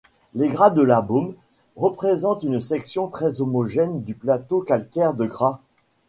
Les Gras de Labeaume représentent une section très homogène du plateau calcaire de Gras.